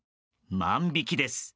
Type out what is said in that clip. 万引きです。